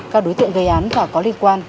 các đối tượng gây án và có liên quan